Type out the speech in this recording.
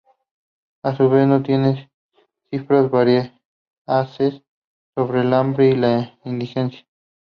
A su vez no tienen cifras veraces sobre el hambre y la indigencia.